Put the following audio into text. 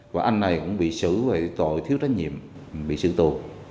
và anh này cũng bị xử về tội thiếu trách nhiệm bị sự tù